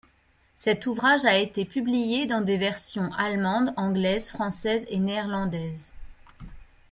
Cet ouvrage a été publié dans des versions allemande, anglaise, française et néerlandaise.